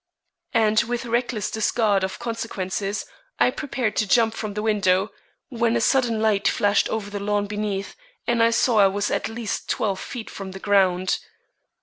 And with reckless disregard of consequences, I prepared to jump from the window, when a sudden light flashed over the lawn beneath and I saw I was at least twelve feet from the ground.